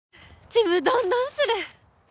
ちむどんどんする。